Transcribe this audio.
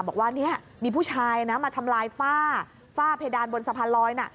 มาว่ามีผู้ชายมาทำลายฝ้าผ่าเพดานบนสะพันลอย